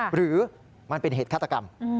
หรือมันเป็นเหตุฆาตกรรม